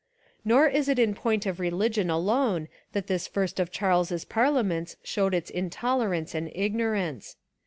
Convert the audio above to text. Nor is it in point of religion alone that this first of Charles's parliaments shewed its intolerance and ignorance.